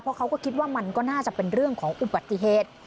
เพราะเขาก็คิดว่ามันก็น่าจะเป็นเรื่องของอุบัติเหตุ